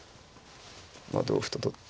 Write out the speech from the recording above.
まあ同歩と取って。